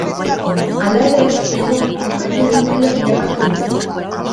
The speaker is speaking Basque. Hala ere, egun konpainia-animalia bilakatu dute.